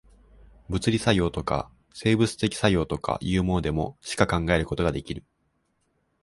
物理作用とか、生物的作用とかいうものでも、しか考えることができる。